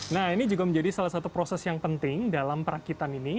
nah ini juga menjadi salah satu proses yang penting dalam perakitan ini